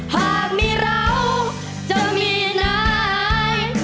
หากมีเราจะมีนาย